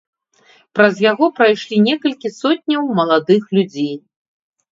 Праз яго прайшлі некалькі сотняў маладых людзей.